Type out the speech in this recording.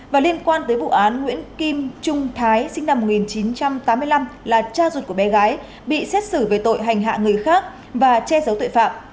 và liên quan tới vụ án nguyễn kim trung thái sinh năm một nghìn chín trăm tám mươi năm là cha ruột của bé gái bị xét xử về tội hành hạ người khác và che giấu tội phạm